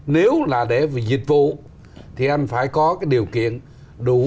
nếu là để về dịch vụ thì anh phải có cái điều kiện đủ